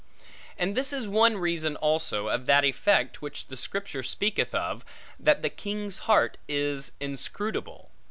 And this is one reason also, of that effect which the Scripture speaketh of, That the king's heart is inscrutable.